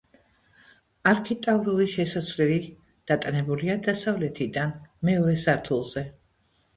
არქიტრავული შესასვლელი დატანებულია დასავლეთიდან, მეორე სართულზე.